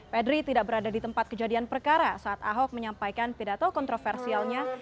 pedri tidak berada di tempat kejadian perkara saat ahok menyampaikan pidato kontroversialnya